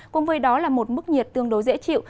cùng với đó là một mức nhiệt tương đối dễ chịu